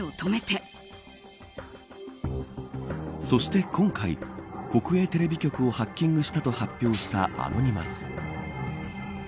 そして今回国営テレビ局をハッキングしたと発表したアノニマス。